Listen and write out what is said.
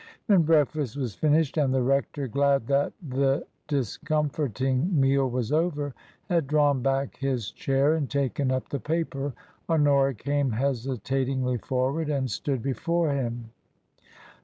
When breakfast was finished and the rector, glad that the discomforting meal was over, had drawn back his chair and taken up the paper, Honora came hesitatingly forward and stood before him.